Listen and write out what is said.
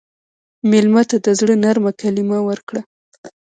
مېلمه ته د زړه نرمه کلمه ورکړه.